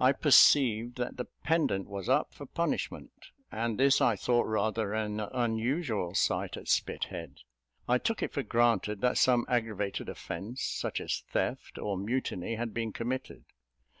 I perceived that the pendant was up for punishment, and this I thought rather an unusual sight at Spithead: I took it for granted that some aggravated offence, such as theft, or mutiny, had been committed.